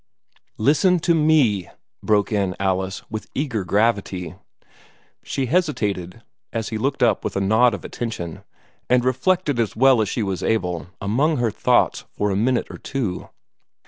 "Listen to me!" broke in Alice, with eager gravity. She hesitated, as he looked up with a nod of attention, and reflected as well as she was able among her thoughts for a minute or two.